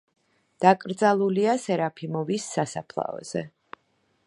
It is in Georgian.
დაკრძალულია სერაფიმოვის სასაფლაოზე.